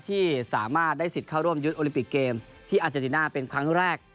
ที่สามารถได้ศิลป์เข้าร่วมยุทธอลิปิกเกมส์ที่อาจารย์ดีน่าเป็นครั้งแรก